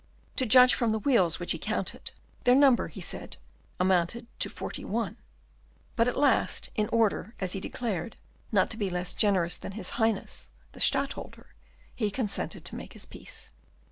To judge from the weals which he counted, their number, he said, amounted to forty one; but at last, in order, as he declared, not to be less generous than his Highness the Stadtholder, he consented to make his peace.